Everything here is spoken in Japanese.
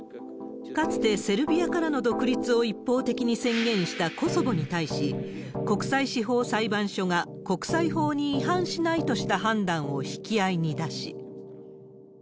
かつてセルビアからの独立を一方的に宣言したコソボに対し、国際司法裁判所が国際法に違反しないとした判断を引き合いに出し。